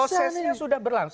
prosesnya sudah berlangsung